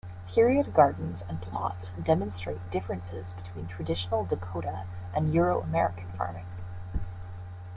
Period gardens and plots demonstrate differences between traditional Dakota and Euro-American farming.